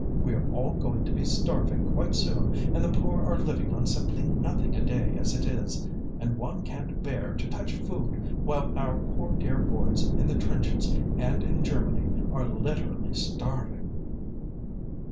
We're all going to be starving quite soon, and the poor are living on simply nothing a day as it is. And one can't bear to touch food while our poor dear boys in the trenches and in Germany are literally starving."